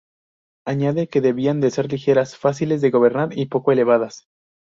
Añade que debían de ser ligeras, fáciles de gobernar y poco elevadas.